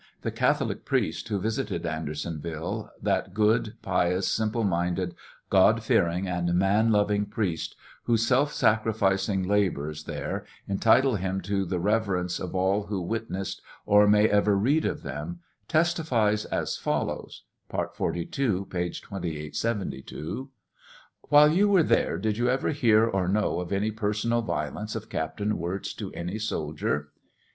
the Catholic priest who visited Andersonville. that good, pious, simple minded, God fearing and man loving priest, whose self sacrificing labors there entitle him to the reverence of all who witnessed or may ever read of them, testifies as follows, (part 42, page 2872 :) While you were there, did you ever hear or know of any personal violence of Captain Wirz to any soldier 1 A.